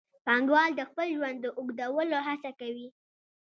پانګوال د خپل ژوند د اوږدولو هڅه کوي